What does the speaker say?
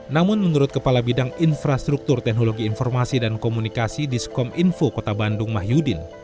namun menurut kepala bidang infrastruktur teknologi informasi dan komunikasi diskom info kota bandung mahyudin